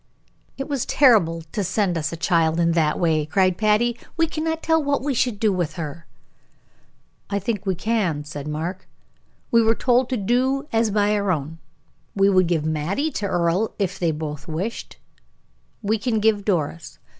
"It was terrible to send us a child in that way," cried Patty. "We cannot tell what we should do with her." "I think we can," said Mark. "We were told to do as by our own. We would give Mattie to Earle, if they both wished it. We can give Doris.